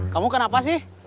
kamu kenapa sih